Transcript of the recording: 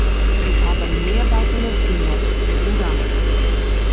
Ik ha der nea by belutsen west, hoe dan ek.